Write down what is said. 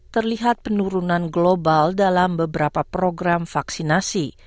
terlihat penurunan global dalam beberapa program vaksinasi